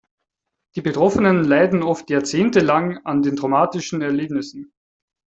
Die Betroffenen leiden oft jahrzehntelang an den traumatischen Erlebnissen.